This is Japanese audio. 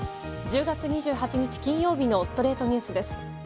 １０月２８日、金曜日の『ストレイトニュース』です。